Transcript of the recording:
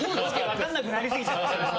分かんなくなりすぎちゃって。